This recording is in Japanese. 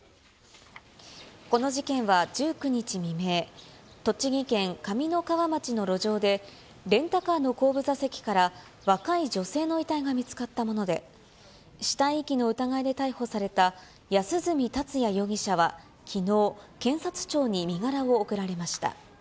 この事件は１９日未明、栃木県上三川町の路上で、レンタカーの後部座席から若い女性の遺体が見つかったもので、死体遺棄の疑いで逮捕された安栖達也容疑者はきのう、検察庁に身柄を送られました。